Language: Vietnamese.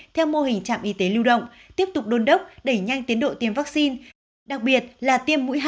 theo mô hình trạm y tế lưu động tiếp tục đôn đốc đẩy nhanh tiến độ tiêm vaccine đặc biệt là tiêm mũi hai